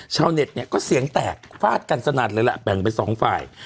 ชาวเน็ตเนี่ยก็เสียงแตกฟาดกันสนัดเลยแหละแบ่งเป็นสองฝ่าย